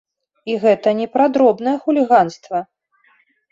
І гэта не пра дробнае хуліганства!